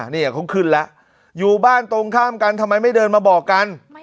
นี่เขาขึ้นแล้วอยู่บ้านตรงข้ามกันทำไมไม่เดินมาบอกกัน